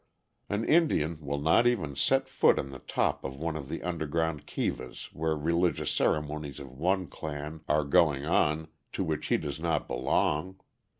An Indian will not even set foot on the top of one of the underground kivas where religious ceremonies of one clan are going on to which he does not belong.